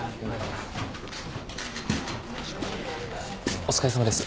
お疲れさまです。